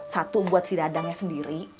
satu buat si dadangnya sendiri